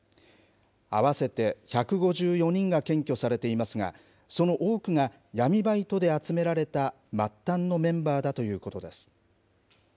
合わせて１５４人が検挙されていますが、その多くが闇バイトで集められた末端のメンバーだということです。